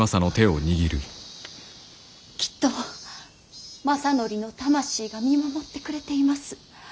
きっと政範の魂が見守ってくれています。